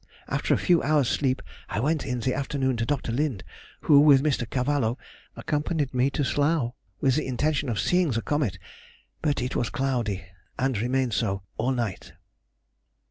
After a few hours' sleep, I went in the afternoon to Dr. Lind, who, with Mr. Cavallo, accompanied me to Slough, with the intention of seeing the comet, but it was cloudy, and remained so all night.